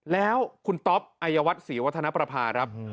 แล้วคุณต๊อปอายวัฒนศรีวัฒนประภาครับ